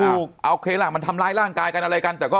โอเคล่ะมันทำร้ายร่างกายกันอะไรกันแต่ก็